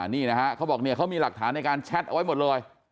นี่นะฮะเขาบอกเนี่ยเขามีหลักฐานในการแชทเอาไว้หมดเลย